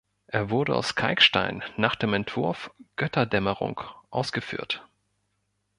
Er wurde aus Kalkstein nach dem Entwurf Götterdämmerung ausgeführt.